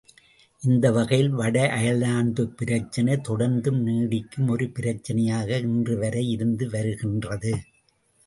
இந்தவகையில் வட அயர்லாந்துப் பிரச்சினை தொடர்ந்தும் நீடிக்கும் ஒரு பிரச்சினையாக இன்று வரை இருந்து வருகின்றது.